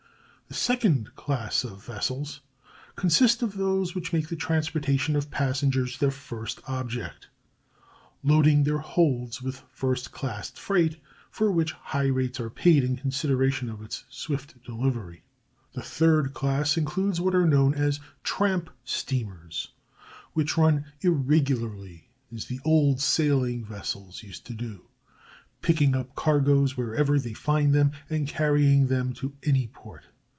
The second class of vessels consists of those which make the transportation of passengers their first object, loading their holds with first class freight, for which high rates are paid in consideration of its swift delivery. The third class includes what are known as "tramp" steamers, which run irregularly, as the old sailing vessels used to do, picking up cargoes wherever they find them and carrying them to any port.